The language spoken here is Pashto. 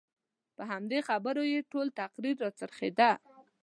په همدې خبرو یې خپل ټول تقریر راڅرخېده.